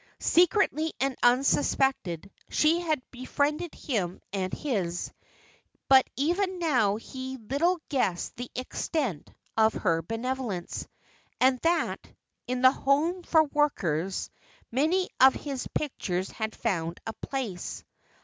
Secretly and unsuspected, she had befriended him and his; but even now he little guessed the extent of her benevolence, and that, in the home for workers, many of his pictures had found a place.